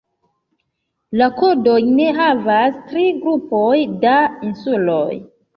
La kodojn havas tri grupoj da insuloj.